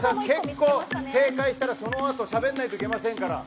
正解したらその後ちゃんとしゃべらないといけませんから。